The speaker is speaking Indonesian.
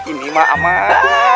ini min aman